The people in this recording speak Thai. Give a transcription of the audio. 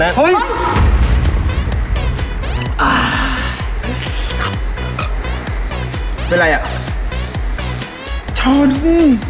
ไม่ต้องกลับมาที่นี่